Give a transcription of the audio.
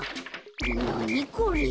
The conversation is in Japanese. なにこれ。